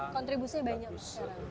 kontribusinya banyak sekarang